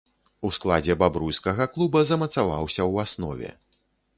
У складзе бабруйскага клуба замацаваўся ў аснове.